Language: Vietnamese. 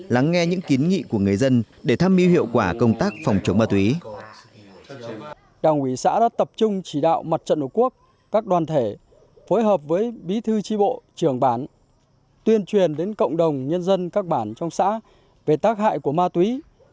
lắng nghe những kiến nghị của người dân để tham mưu hiệu quả công tác phòng chống ma túy